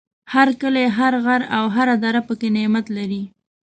هر کلی، هر غر او هر دره پکې نعمت لري.